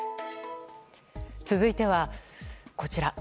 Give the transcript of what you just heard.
続いては、こちら。